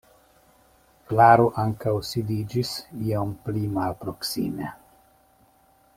Klaro ankaŭ sidiĝis iom pli malproksime.